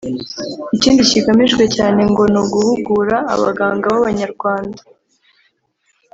Ikindi kigamijwe cyane ngo ni uguhugura abaganga b’Abanyarwanda